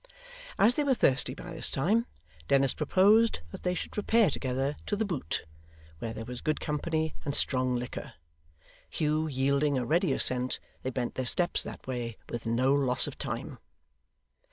As they were thirsty by this time, Dennis proposed that they should repair together to The Boot, where there was good company and strong liquor. Hugh yielding a ready assent, they bent their steps that way with no loss of time.